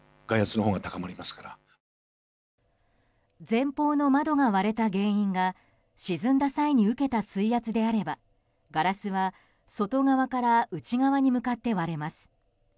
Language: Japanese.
前方の窓が割れた原因が沈んだ際に受けた水圧であればガラスは外側から内側に向かって割れます。